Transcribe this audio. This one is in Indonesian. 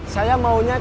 saya maunya kerja